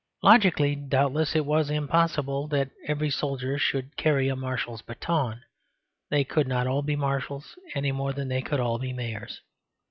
Logically, doubtless, it was impossible that every soldier should carry a marshal's baton; they could not all be marshals any more than they could all be mayors.